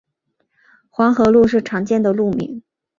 黄河路是常见的路名。